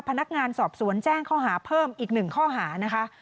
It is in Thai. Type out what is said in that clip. พนักงานสอบสวนแจ้งข้อหาเพิ่มอีกหนึ่งข้อหานะคะ